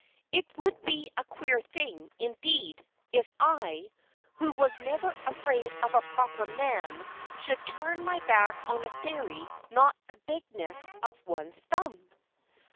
It would be a queer thing, indeed, if I, who was never afraid of a proper man, should turn my back on a Fairy not the bigness of one's thumb!"